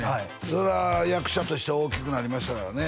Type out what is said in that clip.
そらあ役者として大きくなりましたからね